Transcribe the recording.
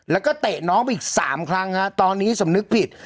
แล้วก็เตะน้องไปอีก๓ครั้งฮะตอนนี้สำนึกผิด